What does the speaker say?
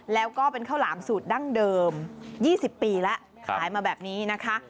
แล้วก็เป็นข้าวหลามสูตรดั้งเดิม๒๐ปีแล้วขายมาแบบนี้นะคะ